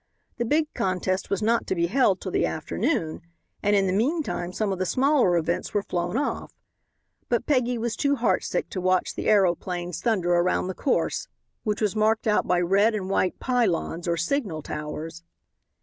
The big contest was not to be held till the afternoon, and in the meantime, some of the smaller events were flown off. But Peggy was too heartsick to watch the aeroplanes thunder around the course, which was marked out by red and white "pylons" or signal towers.